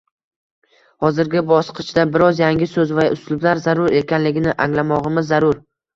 hozirgi bosqichda biroz yangi so‘z va uslublar zarur ekanligini anglamog‘imiz zarur.